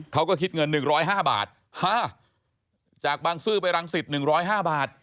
เขาก็คิดเงิน๑๐๕บาทจากบางซื่อไปรังสิต๑๐๕บาท